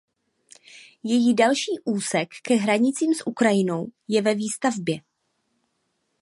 Její další úsek ke hranicím s Ukrajinou je ve výstavbě.